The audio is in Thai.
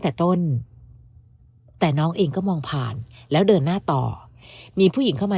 แต่ต้นแต่น้องเองก็มองผ่านแล้วเดินหน้าต่อมีผู้หญิงเข้ามา